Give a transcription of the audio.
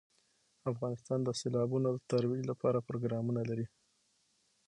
افغانستان د سیلابونه د ترویج لپاره پروګرامونه لري.